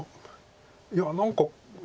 いや何か。